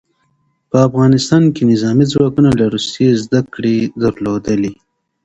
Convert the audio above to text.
په افغانستان کې نظامي ځواکونه له روسیې زدکړې درلودې.